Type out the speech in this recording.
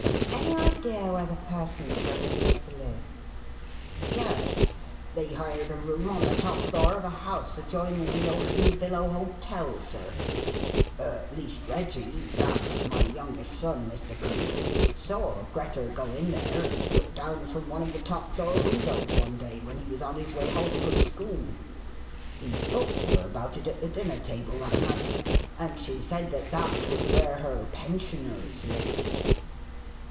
Any idea where the persons were supposed to live?" "Yes. They hired a room on the top floor of a house adjoining the Ocean Billow Hotel, sir. At least, Reggie that's my youngest son, Mr. Cleek saw Greta go in there and look down from one of the top floor windows one day when he was on his way home from school. He spoke to her about it at the dinner table that night, and she said that that was where her 'pensioners lived.'"